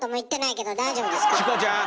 チコちゃん！